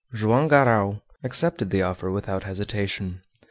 Joam Garral accepted the offer without hesitation.